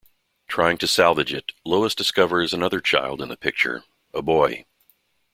Trying to salvage it, Lois discovers another child in the picture: a boy.